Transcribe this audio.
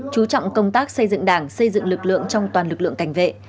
chú trọng công tác xây dựng đảng xây dựng lực lượng trong toàn lực lượng cảnh vệ